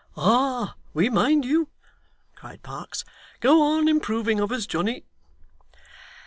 'Ah! we mind you,' cried Parkes. 'Go on improving of us, Johnny.